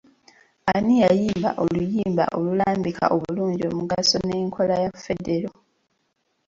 Ani yayimba oluyimba olulambika obulungi omugaso n’enkola ya federo.